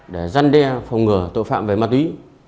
để giăn đe phòng ngừa tội phạm về ma túy